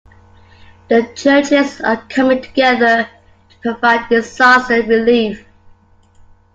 The churches are coming together to provide disaster relief.